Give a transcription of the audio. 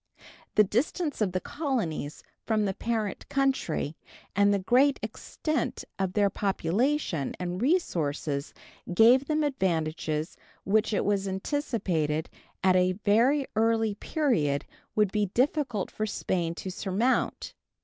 The distance of the colonies from the parent country and the great extent of their population and resources gave them advantages which it was anticipated at a very early period would be difficult for Spain to surmount.